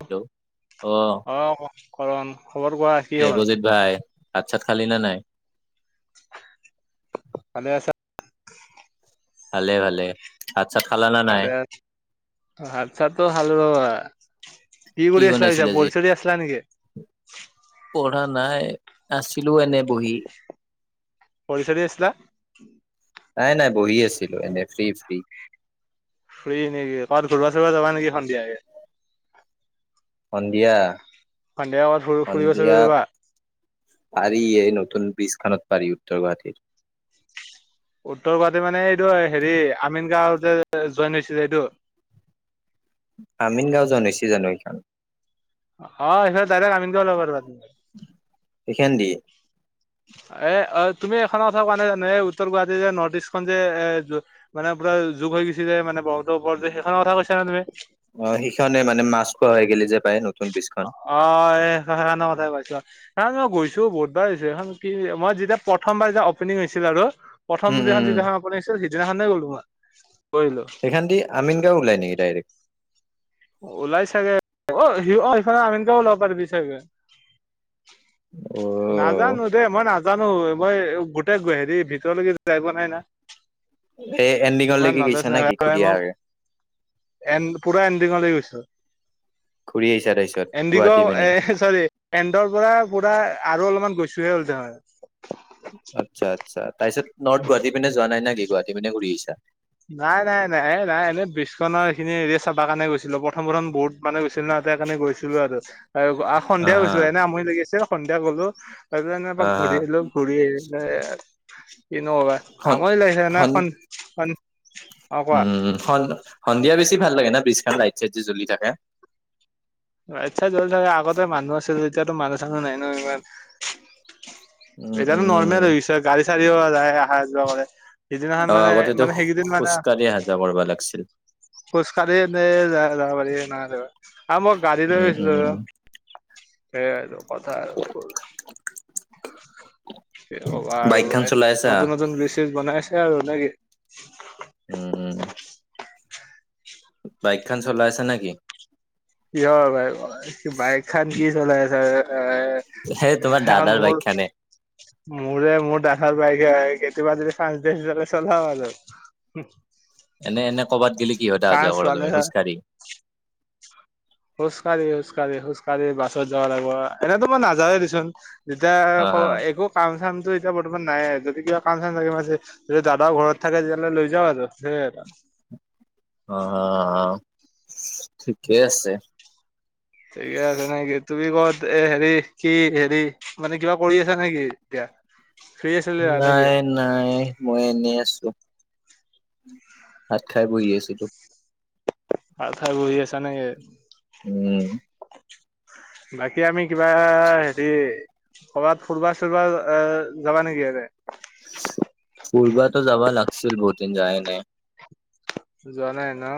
Hello, অহ ', অ', কৰণ খবৰ কোৱা কি হল? ভাত সাত খালি না নাই ভালে আছা। ভালে- ভালে ভাত চাত খালা না নাই হাত চাতটো ভাল বাবা কি কৰি আছিলা বনাইছিল পিছা আজি পঢ়ি চৰহি আছিলা নেকি। অহ ', নাই আছিলো এনে বহি। পলিচা দি আছিলা। নাই- নাই বহি আছিলো এনে ফ্ৰী- ফ্ৰী ফু্ৰী নেকি কাত ঘূৰবা চুৰিবা যাবা নেকি সন্ধিয়াকে সন্ধিয়া সন্ধিয়া ক'ৰবাত ফু ফুৰিব চুৰিব সন্ধিয়া যাবা? পাৰি এই নতুন। ব্ৰিজখনত পাৰি উত্তৰ গুৱাহাটীৰ। উত্তৰ গুৱাহাটী মানে এইটো হেৰি আমিন গাঁৱতে জইন হৈছিল এইটো। আমিন গাঁও জন হৈছ জানো সেই খন। অহ ', সেই ডাইৰেক আমি গ লাৰা তুমি সেখান দি এ তুমি এইখনৰ কথা কোৱা নাই জানো এই উত্তৰ গুৱাহাটী যে নৰ্থ ইষ্টখনন যে এ মানে পুৰা যোগ হৈ গৈছিলে মানে বহত ওপৰত সেইখনৰ কথা কৈছানে তুমি। অহ ', সিখনে মানে মাছখোৱা হৈ গ যে পায় নতুন বীজখন। পাইছা ন মই গৈছো বৰদাৰছছেখন। মই যেতিয়া প্ৰথমবাৰ যেতিয়া অপেবিং হৈছিল আৰু প্ৰথম উম দেখ উম যিখ আপনি সেই দিনাখনেই গৈ পোৱা সেখানদি আমিনগাঁও ওলায় নেকি ডাইৰেক্ট? ওলাই চাগে অ সি অ সিফালে আমিনকেও ওলাব পাৰিবি চাগে। অ নাজানো দেই মই নাজানো, মই গোটেই হেৰি ভিতৰলৈকে যাই পোৱা নাই না এ ইমান এণ্ডিঙলৈকে নলেজ গৈছা নে নাই কি ভাই ঘুটিয় মই আহাকে লৈ গৈছো ঘূৰি আহিছা তাৰপিছত এণ্ডগ গুৱাহাটী পিনে এ চৰি এন্ডৰ পৰা পুৰা আৰু অলপমান গৈছোহে হ'ল দেহয় তাৰিছত নৰ্থ গুৱাহাটী মানে যোৱা নাই নে গুৱাহাটী পিনে ঘূৰি আহিছা নাই নাই নাই নাই এনেই ব্ৰিজখনৰ এইখিনি এয় চাবা কাৰণে গৈছিলো প্ৰথম প্ৰথম বহুত মানে, ছিল ন ততে কাৰণে গৈছিলো আৰু। সন্ধিয়া আহা গৈছিলো এনে আমৰি লাগি আছিল। সন্ধিয়া গ'লো আৰুানে আহা ঘূৰি আহলো ঘূৰি আহ [unintelligible] [inaudible] কিনো কবা, সন আমনি লাগিছে না সন খন খন অ কোৱা উম সন সন্ধিয়া বেছি ভাল লাগে না বিজ খন লাইট চাইড যে জ্বলি থাকে, ইচ্ছা জল থাকে আগতে মানুহ আছে যদি এতিয়াতো মানুহ চানুহ নাই ন ইমান উম এতিয়াটো উম নৰ্মেল হৈছে গাড়ী চাৰিও যায় অহা যোৱা কৰে সিদিনাখন অ মানে আগতেতো মানে সেইকেইদিন খোজ কঢ়ি আহ যোৱা কৰবা লাগছিল। খোজকাাঢ়ি নে যাব পাৰি না অ মই গাড়ী লৈ উম উম গৈছিলো। এ কথা আৰু ফুল ব আৰু বাইকখন এ চলাই আছা নতুন নতুন ব্ৰিজ চিছ বনাই আছে। স নাগে [unintelligible] উম উম বাইকখন চলাই আছা নেকি? কিয়ৰ বাই বাইক খন কি চলাই আছে সেই তোমাৰ এ দাদাৰ বাইক মোৰ খানে মোৰে মোৰ দাদাৰ বাইক [unintelligible] কেতিয়াবা যদি চান্চ দিয়ে চলাওঁ আৰু। এনে এনে কৰবাত গিলি কিহত অহা যোৱা চান্স কৰা পালে তুমি? খোজকাাঢ়ি? খোজ কাঢ়ি খোজ কাঢ়ি খোজ কঢ়ি বাছত যাব লাগিব এনেইতো মই নাযায়ে দেচোন। তেতিয়া অ আক, একো কাম চাম টো ছতিয়া বৰ্তমান নাই। যদি কিবা কাম চাম থাকি, বা যদি দাদাও ঘৰত থাকে তেতিয়াহ'লে লৈ যাওঁ আৰু সেইয়ে। ‌ অহ-অহ। [unintelligible] ঠিকে আছে নেকি? তুমি কৰবাত এ হেৰি, কি, হেৰি, মানে কিবা কৰি আছা নেকি এতিয়া? ফ্ৰী আছিলা নেকি? নাই-নাই, মই এনেই আছোঁ। ভাত খাই বহি আছিলোঁ। ভাত খাই বহি আছা নেকি? উম। বাকী আমি কিবা হেৰি? কবাত ফুৰবা চুৰবা আহ, যাবা নেকি এতে? ফুৰ্বাটো যাব লাগছিল। বহুত দিন যোৱায়ে নাই। যোৱা নাই ন?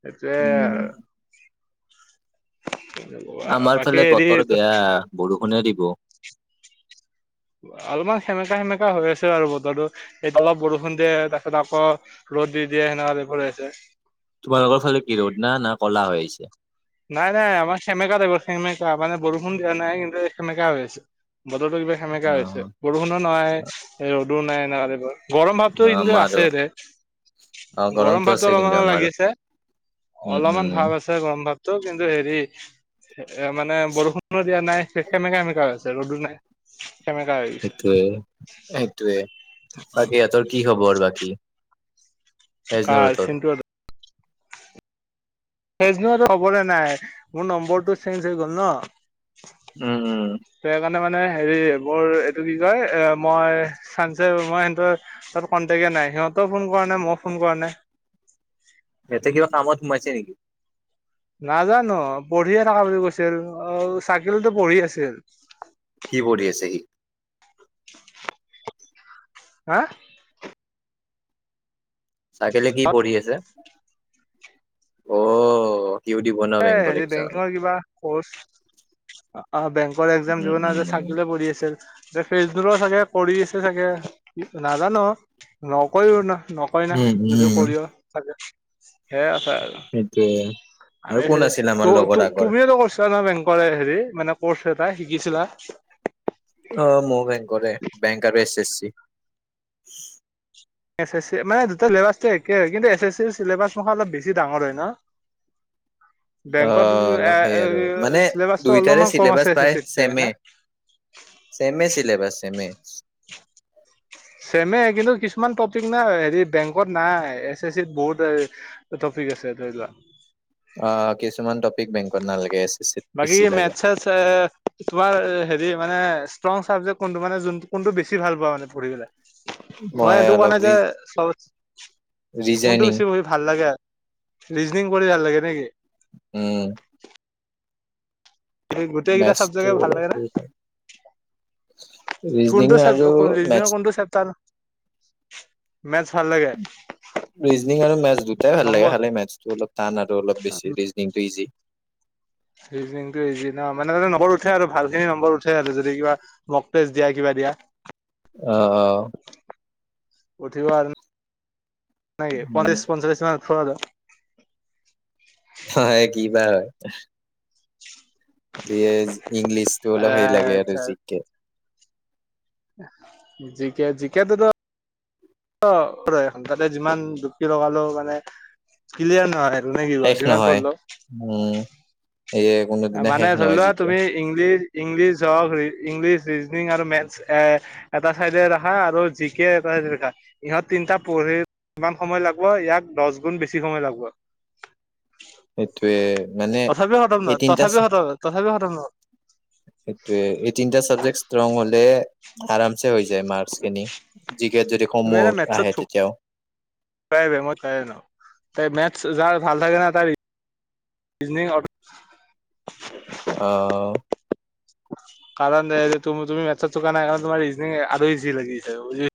সেইটোয়ে উম, আৰু। আমাৰ বাকী ফালে হেৰি বতৰ বেয়া বৰ ষুণে দিব। অলপমান সেমেকা-সেমেকা হৈ আছে আৰু বতৰটো। সেই অলপ বৰষুণ দিয়ে, তাৰপিছত আকৌ ৰ'দ দি দিয়ে, সেনেকুৱা হৈ পৰি আছে। তোমালোকৰ ফালে কি ৰ'দ না না ক'লা হৈ আছে। নাই-নাই, আমাৰ সেমেকা টাইপৰ, সেমেকা। মানে বৰষুণ দিয়া নাই, কিন্তু সেমেকা হৈ আছে। বতৰটো কিবা সেমেকা হৈ আছে। অ', বৰষুণো নহয় নাই ন [unintelligible] গৰম ভাৱটো কিন্তু আছে আমাৰো ৰে, অ', গৰম গৰমটো ভাৱটো আছে কিন্তু অলপমান লাগি আমাৰো আছে, উম, অলপমান উম। ভাৱ আছে গৰম ভাৱটো ত' কিন্তু হেৰি এ মানে, বৰষুণো দিয়া নাই। সেমেকা-সেমেকা হৈ আছে। ৰ'দো নাই। সেমেকা হৈ গৈছে সেইটোৱে, সেইটোৱে। বাকী ইহঁতৰ কি খবৰ? বাকী? কাৰ? ফেজনুৰহঁতৰ? চিন্টুহঁতৰ? ফেজনুৰৰটো খবৰে নাই। মোৰ নম্বৰটো চেঞ্জ হৈ গ'ল ন। উম-উম। সেইকাৰণে মানে হেৰি, মোৰ এইটো কি কয়? এ মই [unintelligible] সিহতৰ ত' কন্টেকে নাই, সিহঁতও ফোন কৰা নাই, মইও ফোন কৰা নাই। ইহঁতে কিবা কামত সোমাইছে নেকি? নাজানো পঢ়িয়ে থকা বুলি কৈছিল। অহ চাকিলতো পঢ়ি আছিল। কি পঢ়ি আছে‌ সি? হয় [inaudible] হা? চাইকেলে কি পঢ়ি আছে? অ। সিও দিব ন এ বেংকৰ হেৰি এক্সাম। বেংকিঙৰ কিবা কৰ্চ, অ বেংকৰ একজাম উম, দিব না উম, চাকি লৈ পঢ়ি আছিল। এ ফেচবুৰৰ চাগে কৰি আছে চাগে, নাজানোঁ, নকয়ো ন নকয় না, উম, যদি কৰিও চাগে সেয়া সেইটোৱে। আমি তো তো তুমিও ত কছ চা নহয় বেংকৰ হেৰি মানে কৰ্চ এটা শিকিছিলা অ মোৰ বেংকৰে, বেংক আৰু এছ এছ ছি। [inaudible] এছ এছ চি মানে দুটা চিলেবাচটো একে হয়। কিন্তু এছ এছ চিৰ চিলেবাছ মুখা অলপ বেছি ডাঙৰ হয় ন। অ বেংকত এ সেই আৰু মানে চিলেবাচটো দুইটাৰে অলপমান কম চিলেবাছ আছে এছ এছ প্ৰায় চিত কে হয় চেমে, না। চেমে চিলেবাছ চেমে। [unintelligible] ছেমে কিন্তু কিছুমান টপিক নাই হেৰি বেংকত নাই, এছ এছ চিত বহুত টপিক আছে ধৰি লোৱা অ কিছুমান টপিক বেংকত নালাগে এছ এছ চিত বাকী বেছি লাগে মেথ চা, এ তোমাৰ হেৰি মানে ষ্টং চাবজেক কোনটো মানে যোনটো কোনটো বেছি ভাল পোৱা মানে পঢ়ি পেলাই? হয় মই এটো অলপ কাৰনে ৰি যে কোনটো ৰিজাইনিং বেছি পঢ়ি ভাল লাগে। ৰিজনিং কৰি ভাল লাগে নেকি? উম। এই গোটেই কেইটা মেথছটো চাবজেগে ভাল অলপ লাগে না? [inaudible] কোনটো চাব, আৰু কোনটো মেথছ ৰিজনিঙৰ কোনটো চেপটাৰ ৰিজনিং আৰু মেথছ দুটাই ভাল লাগে নম্বৰ খালে মেথছটো অলপ টান আৰু অলপ বেছি, ৰিজনিংটো ইজি। ৰিজনিংটো ইজী ন মানে নম্বৰ উঠে আৰু ভাল খিনি নম্বৰ উ উঠে আৰু যদি কিবা মক টেষ্ট দিয়া কিবা দিয়া। আহ আহ। উঠিব আৰু - নাই পঞ্চাছ উম পঞ্চলিচ মান [unintelligible] হয় কি বা এটলিছ- ইংলিছটো এ অলপ সেই লাগে আৰু আচ্ছা জিকে। জিকে জিকেটোত অ ওপৰ তাতে যিমান দুপকি লগালোও মানে ক্লিয়াৰ নোৱাৰে নোৱাৰিবা শেষ যিমান নহয় কৰলেও উম এয়ে কোনোদিনা মানে শেষ ধৰি নহয় লোৱা জিকে তুমি ইংলিছ ইংলিছ হওক ইংলিছ ৰিজনিং আৰু মেথছ এ এটা চাইডে ৰখা আৰু জি কে এটা চাইডে ৰাখা ইহঁত তিনটা পঢ়ি ইমান সময় লাগব ইয়াক দছ গুণ বেছি সময় লাগব সেইটোৱে মানে খতম নহয় এইটো ইণ্টাচ তথাপিও খতম তথাপিও খতম নহয় সেটোৱে এই তিনটা চাবজেক্ট ষ্ট্ৰং হলে আৰাম ছে হৈ যায় মাৰ্ক্স খিনি জিকেত যদি তুমি কমো এনে মেথছত আহে তেতিয়াও চুকাই বে মই কাই ন ত মেথছ যাৰ ভাল থাকে ন তাৰ অ কাৰণ দে যে তুমি তুমি মেটছত চোকা ন আৰু তোমাৰ ৰিজনিং আৰু ইজি লাগি যায়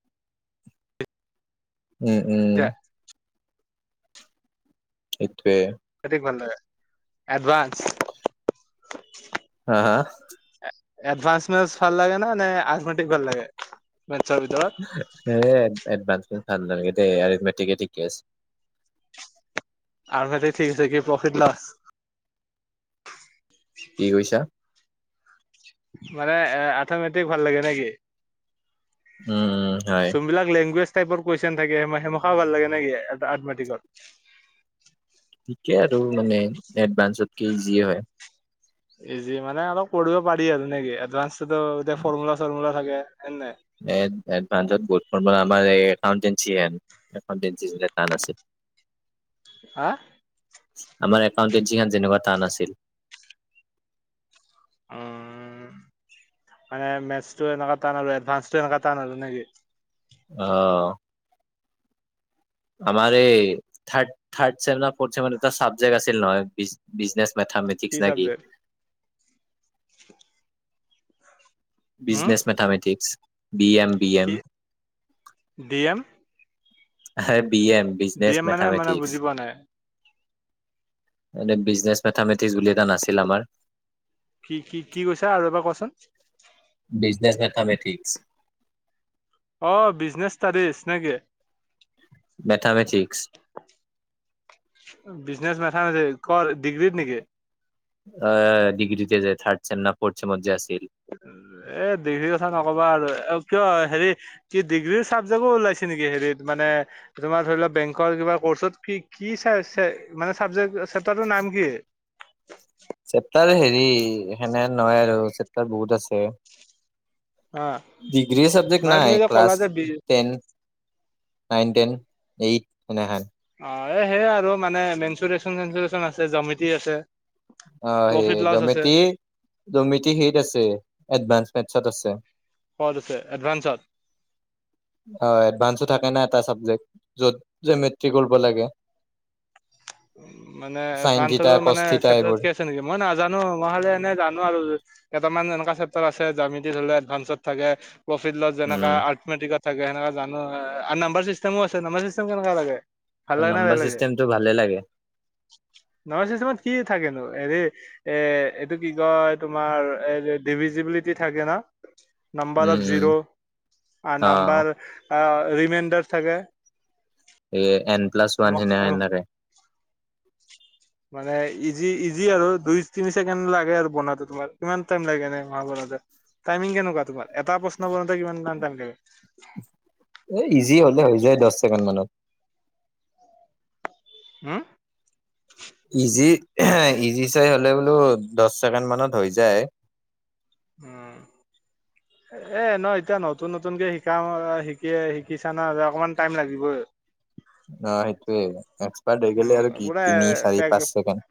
উম উম সেতোৱে হেতুকাণে এডভাঞ্চ হা হা এডভাঞ্চ মেটছ ভাল লাগে নে আজমেটিক ভাল লাগে মেথছৰ ভিতৰত সে এডভাঞ্চ ভাল লাগে এতিয়াৰে মেটিকেটিক টেছ আগতে ঠেক আছে এতিয়া প্ৰফিট না কি কৈছা মানে আথমেটিক ভাল লাগে নেকি উম হয় যোনবিলাক লেংগুৱেজ টাইপৰ কুৱেশ্যন থাকে হে সেমখাও ভাল লাগে নেকি এটা এদমেটিকত ঠিকে আৰু মানে এডভাঞ্চত কৰে ইজি হয় ইজি মানে অলপ কৰিব পাৰি আৰু নে কি এডভান্স টোতত এতিয়া ফৰ্মুলা চৰ্মুলা চাগে হয় নাই এড এডভাঞ্চত গোট ফৰ্মূলা আমাৰ এই একাউণ্টেঞ্চিএন একাউটেঞ্চি অলপ টান আছে আহ আমাৰ একাউণ্টেঞ্চি খন যেনুকা টান আছিল উম মানে মেটছটো এনকা টান হ'লে এডভাঞ্চ টো এনকা টান হ'ল নেকি অহ আমাৰ এই থাৰ্ট থাৰ্ট চেমত ফৰ্ট চেমত এটা চাবজেক্ট আছিল নহয় বিজ বিজনেছ মেথামেটিক্স নে কি হম business mathematics B M B M কি ডি এম হেব B M D business M মানে মানে মেথামেটিক্স। বুজি পোৱা নাই। এনে বিজনেছ মেথামেটিক্স বুলি এটা নাছিল আমাৰ, কি কি কি কৈছা আৰু এবাৰ কোৱাচোন, বিজনেছ নেথামেটিক্স। অ বিজনেচ স্তাদিছ নেকি? Mathematics business mathematics. অ ডিগ্ৰীতে যে থাৰ্ড চেম নে ফৰ্ট চেমত আছিল। এ ডিগ্ৰীৰ কথা নকবা আৰু কিয় হেৰি কি ডিগ্ৰীৰ চাবজেক্টো ওলাইছে নেকি, হেৰিত মানে তোমাৰ ধৰি লোৱা বেংকৰ কিবা কৰ্চত কি কি চাই মানে চাবজেক্ট কেতাৰ নাম কি? তাৰ হেৰি সেনে নহয় আৰু চেপতাৰ বহুত আছে। অ ডিগ্ৰী চাবজেক্ট মানে তুমি নাই। যে ক'লা ক্লাছ যে B ten nine ten eight মানে হে অ এই সেয় আৰু মানে মেঞ্চুৰেচন চেঞ্চুৰে্চন আছে, জামিতি আছে। অ সেই প্ৰফিট লছ আছে জ্যামেতি জমেটি সেইত আছে এডভানস নেছাত আছে ক'ত আছে এডভাঞ্চত। অ এডভাঞ্চতো থাকে না এটা চাবজেক্ট য'ত যেমেট্ৰিক কৰিব লাগে। উ মানে চাইন থিতা এডভাঞ্চতো কচ মানে থিতা চপ এইবোৰ আছে নেকি। মই নাজানো মই হলে এনে জানো আৰু কেইটামান এনেকুৱা আছে জামিতি হলে এডভাঞ্চত থাকে প্ৰফিট লছ যেনেকা উম আৰ্কমিডিকত থাকে সেনেকা জানো আৰু নাম্বাৰ চিষ্টেমো আছে নাম্বাৰ চিষ্টেম কেনেকা লাগে? নাম্বৰ চিষ্টেমটো ভাল লাগে। নহয় কিছুমান কি থাকেনো এৰে এ এইটো কি কয় তোমাৰ এই ডিভিজিবিলিটি থাকে ন উম নাম্বাৰত উম জিৰ আ অ নাম্বাৰ, আ ৰিমাইণ্ডাৰ থাকে। এ এন প্লাছ ওৱান সনেকা মানে ইজি ইজি আৰু। দুই তিনি ছেকেণ্ড লাগে আৰু বনাউতে তোমাৰ। কিমান টাইম লাগে এনে মাহ বনাতে টাইমিং কেনেকুৱা তোমাৰ? এটা প্ৰশ্ন বনাতে কিমান টাইম লাগে? এ ইজি হলে হৈ যায় দহ ছেকেণ্ড মানত। হম ইজি ইজি চাই হ'লে বোলো দহ ছেকেণ্ড মানত হৈ যায়। এ ন এতিয়া নতুন নতুনকে শিকা শিকি শিকিছা না অকমান টাইম লাগিবই। অ সেইতোৱেই। এক্সপাৰ্ট হৈ গেলে উম আৰু কি পুৰা তিনি চাৰি পাঁচ ছেকেণ্ড।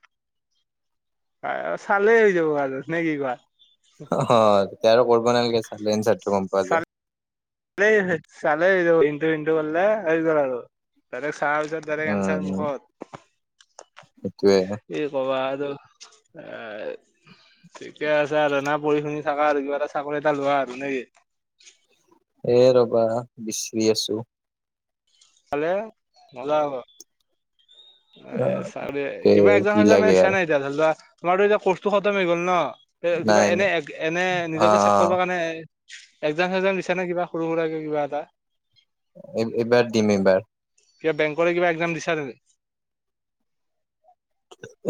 চালে হৈ যাব আৰু নে কি কোৱা [unintelligible] হয়। এতিয়া আৰু কৰিব নালাগে চালে এঞ্চাৰটো গম পোৱা যায়। চলে ইটো বিন্দু বলে আহি গল আৰু। চাৰ পিছত বলে উম কেঞ্চাৰ উম মুখত সেইটোয়ে এই কবা আৰু এ [unintelligible] ঠিকে আছে আৰু না পঢ়ি শুনি থাকা আৰু কিবা এটা চাকৰি এটা লোৱা আৰু নেকি। এ ৰবা বিচাৰি আছো। কালে মজা হব। আ, এ চা তে কিবা একজন কি হলে মানে লাগে ইচ্ছা আৰু নাই এতিয়া ধৰি লোৱা [unintelligible] তোমাৰো এতিয়া কৰ্চটো খটম হৈ গ'ল ন [unintelligible] কিবা নাই এনে নাই এনে, অ অ নিজকে চেক কৰিব কাৰণে। এক্জাম চেগজাম দিছা নে কিবা সৰু সুৰাকে কিবা এটা [unintelligible] এবাৰ দিম এবাৰ। কিবা বেংকলে কিবা এক্জাম দিছা তেন্তে [unintelligible]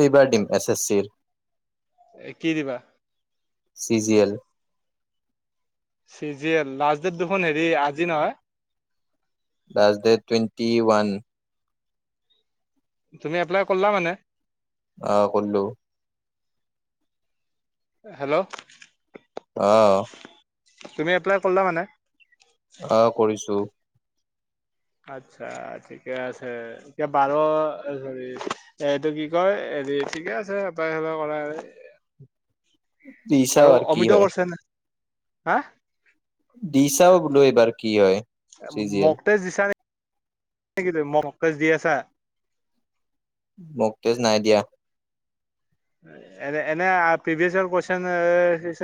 এইবাৰ ডিম এছ এছ চিৰ। এ কি দিবা। চিজিয়েল। C G L last date দুখোন হেৰি আজি নহয়। Last date twenty one. তুমি এপ্লাই কৰলা মানে? আহ কলো। হেল্ল'। আহ। তুমি এপ্লাই কৰিলা মানে। অ কৰিছো। আতছা ঠিকে আছে এতিয়া বাৰ চ এইটো কি কয় হেৰি ঠিকে আছে কৰা [unintelligible] দিছা আৰু কি অমিতো হয় কৰিছে নে [unintelligible] হা [unintelligible] দিছাও বোলো এইবাৰ কি হয়। চি জি এল মগতেজ দিছা ন। নেকি তুম মকটেচচ দি আছা [unintelligible] মোকটোজ নাই দিয়া। এনে প্ৰভিয়েচৰ কোৱেচন এ [unintelligible]